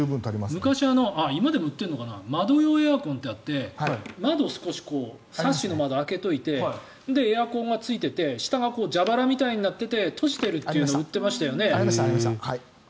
昔、今でも売ってるのかな窓用エアコンってあって窓を少しサッシの窓を開けておいてエアコンがついていて下が蛇腹みたいになって閉じてるというのが売ってましたよね。